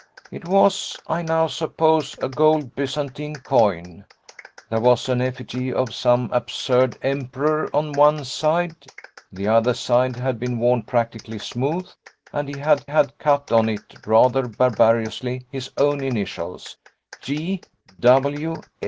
It was, I now suppose, a gold Byzantine coin; there was an effigy of some absurd emperor on one side; the other side had been worn practically smooth, and he had had cut on it rather barbarously his own initials, G.W.